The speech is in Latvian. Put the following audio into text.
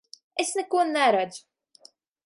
Es neko neredzu!